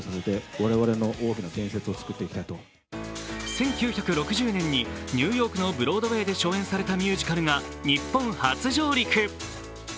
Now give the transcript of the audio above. １９６０年にニューヨークのブロードウェイで初演されたミュージカルが日本初上陸。